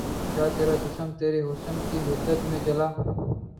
کیا ترا جسم ترے حسن کی حدت میں جلا